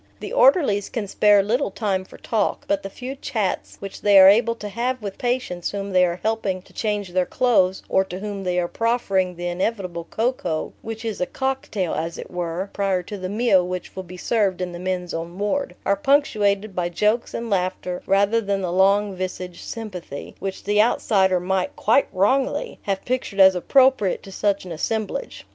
The orderlies can spare little time for talk, but the few chats which they are able to have with patients whom they are helping to change their clothes, or to whom they are proffering the inevitable cocoa (which is a cocktail, as it were, prior to the meal which will be served in the men's own ward), are punctuated by jokes and laughter rather than the long visaged "sympathy" which the outsider might quite wrongly! have pictured as appropriate to such an assemblage.